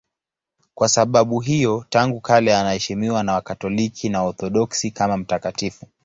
Kwa sababu hiyo tangu kale anaheshimiwa na Wakatoliki na Waorthodoksi kama mtakatifu.